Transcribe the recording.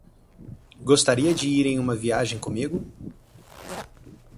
Gostaria de ir em uma viagem comigo?